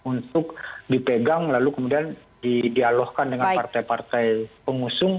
untuk dipegang lalu kemudian didialogkan dengan partai partai pengusung